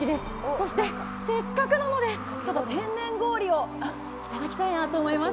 そしてせっかくなのでちょっと天然氷をいただきたいなと思います。